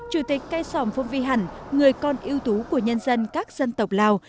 chủ tịch cây sỏm phố vi hẳn người con ưu tú của nhân dân các dân tộc lào